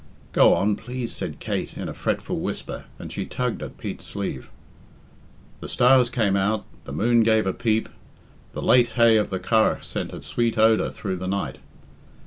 "Go on, please," said Kate in a fretful whisper, and she tugged at Pete's sleeve. The stars came out; the moon gave a peep; the late hay of the Curragh sent a sweet odour through the night.